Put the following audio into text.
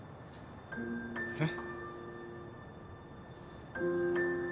えっ？